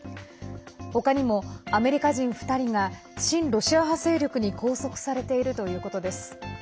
ほかにもアメリカ人、２人が親ロシア派勢力に拘束されているということです。